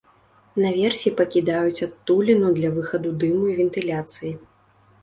Наверсе пакідаюць адтуліну для выхаду дыму і вентыляцыі.